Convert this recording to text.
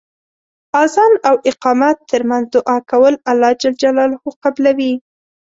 اذان او اقامت تر منځ دعا کول الله ج قبلوی .